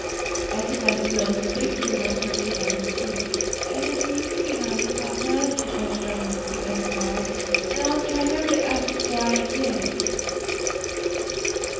Elsie's eyes filled, and a big tear rolled quickly down her cheek. "I did not mean to be naughty, papa," she said, struggling to keep down a sob, "and I will try never to ask why again."